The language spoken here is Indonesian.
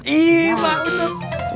iya mak enak